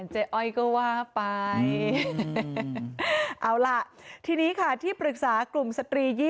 อ้อยก็ว่าไปเอาล่ะทีนี้ค่ะที่ปรึกษากลุ่มสตรี๒๐